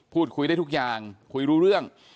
พูดคุยได้ทุกอย่างคุยรู้เรื่อง